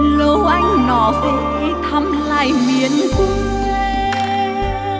lâu anh nọ về thăm lại miền quốc em